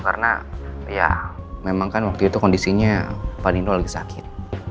karena ya memang kan waktu itu kondisinya pan dino lagi sakit